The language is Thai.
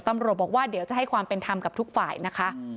ตำรวจบอกว่าเดี๋ยวจะให้ความเป็นธรรมกับทุกฝ่ายนะคะ